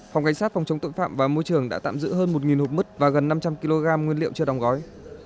phòng cảnh sát phòng chống tội phạm và môi trường đã tạm giữ hơn một hộp mứt và gần năm trăm linh kg nguyên liệu chưa đóng gói